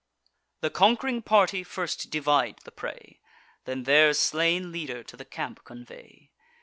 The conqu'ring party first divide the prey, Then their slain leader to the camp convey.